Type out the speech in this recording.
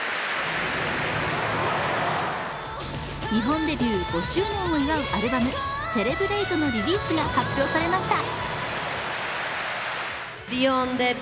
日本デビュー５周年を祝うアルバム「Ｃｅｌｅｂｒａｔｅ」のリリースが発表されました。